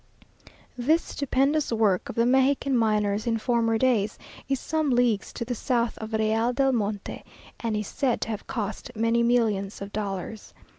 This stupendous work of the Mexican miners in former days, is some leagues to the south of Real del Monte, and is said to have cost many millions of dollars.